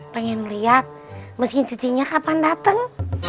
pengen liat mesin cucinya kapan dateng